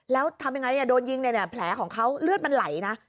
แล้วทำยังไงโดนยิงเนี่ยแผลของเขาเลือดมันไหลนะ